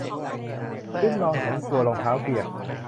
พื้นนอง ฉันกลัวรองเท้าเปียก